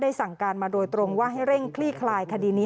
สั่งการมาโดยตรงว่าให้เร่งคลี่คลายคดีนี้